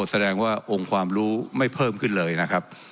แสดงว่าองค์ความรู้ไม่เพิ่มขึ้นเลยนะครับ